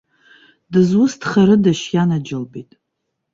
Дызусҭхарыдашь, ианаџьалбеит!